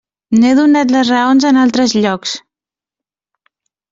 N'he donat les raons en altres llocs.